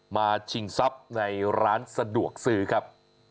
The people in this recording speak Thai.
ชิงทรัพย์ในร้านสะดวกซื้อครับ